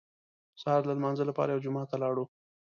سهار د لمانځه لپاره یو جومات ته لاړو.